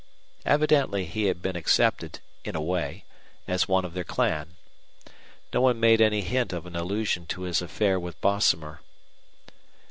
Evidently he had been accepted, in a way, as one of their clan. No one made any hint of an allusion to his affair with Bosomer.